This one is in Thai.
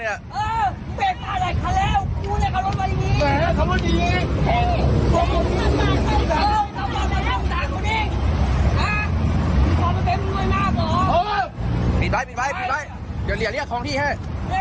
อย่าเรียนเรียกของที่ให้